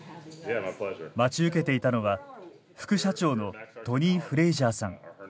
待ち受けていたのは副社長のトニー・フレイジャーさん。